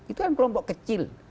itu kan kelompok kecil